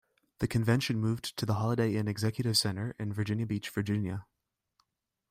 The convention moved to the Holiday Inn Executive Center in Virginia Beach, Virginia.